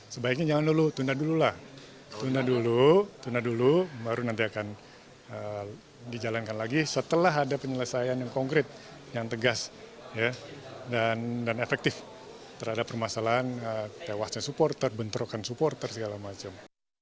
sebaiknya jangan dulu tunda dulu lah tunda dulu tunda dulu baru nanti akan dijalankan lagi setelah ada penyelesaian yang konkret yang tegas dan efektif terhadap permasalahan tewasnya supporter bentrokan supporter segala macam